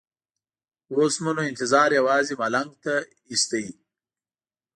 اوس مو نو انتظار یوازې ملنګ ته وېست.